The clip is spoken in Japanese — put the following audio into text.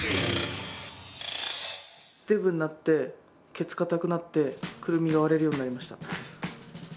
デブになってケツ硬くなってくるみが割れるようになりました。